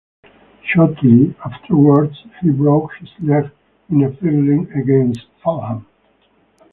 Shortly afterwards, he broke his leg in a friendly against Fulham.